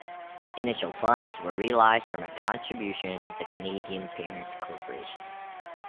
Initial funds were realized from a contribution of the Canadian parent corporation.